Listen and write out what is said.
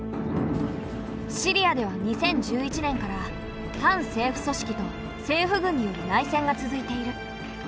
シリアでは２０１１年から反政府組織と政府軍による内戦が続いている。